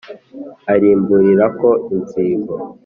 arimburirako inzigo